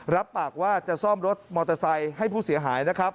รับปากว่าจะซ่อมรถมอเตอร์ไซค์ให้ผู้เสียหายนะครับ